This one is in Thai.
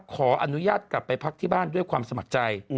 ขออนุญาตกลับไปพักที่บ้านด้วยความสมัครใจ